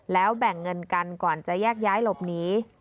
แล้วแบ่งเงินกันก่อนจะแยกย้ายหลบหนี